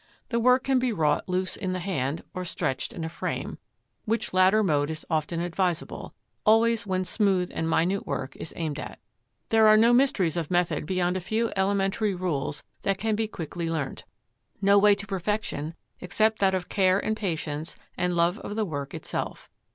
The work can be wrought loose in the hand, or stretched in a frame, which latter mode is often advisable, always when smooth and minute work is aimed at. There are no mysteries of method beyond a few elementary rules that can be quickly learnt; no way to perfection except that of care and patience and love of the work itself.